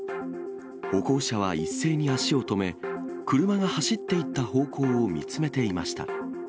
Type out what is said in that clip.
歩行者は一斉に足を止め、車が走っていった方向を見つめていました。